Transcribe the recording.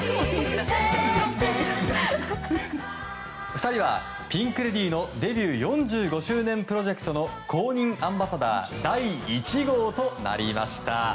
２人はピンク・レディーのデビュー４５周年プロジェクトの公認アンバサダー第１号となりました。